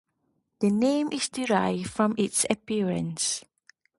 The name is derived from its appearance.